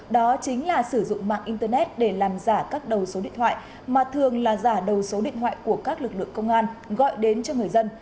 đó chính là sử dụng mạng internet để làm giả các đầu số điện thoại mà thường là giả đầu số điện thoại của các lực lượng công an gọi đến cho người dân